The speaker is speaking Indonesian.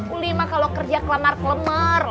uli mah kalau kerja kelemar kelemar